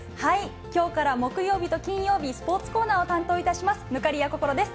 きょうから木曜日と金曜日、スポーツコーナーを担当いたします、忽滑谷こころです。